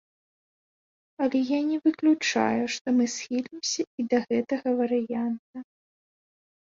Але я не выключаю, што мы схілімся і да гэтага варыянта.